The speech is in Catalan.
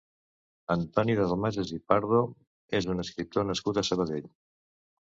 Antoni Dalmases i Pardo és un escriptor nascut a Sabadell.